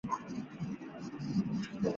该物种的模式产地在马德拉群岛。